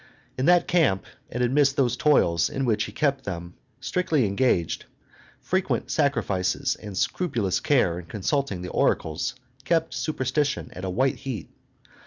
In that camp, and amidst those toils in which he kept them strictly engaged, frequent sacrifices, and scrupulous care in consulting the oracles, kept superstition at a white heat.